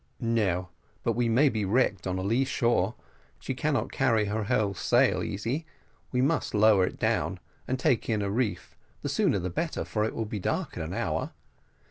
"No, but we may be wrecked on a lee shore. She cannot carry her whole sail, Easy; we must lower it down, and take in a reef; the sooner the better, for it will be dark in an hour.